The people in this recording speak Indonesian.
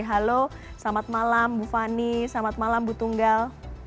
halo selamat malam bu fani selamat malam bu tunggal